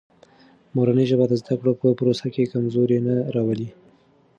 مورنۍ ژبه د زده کړو په پروسه کې کمزوري نه راولي.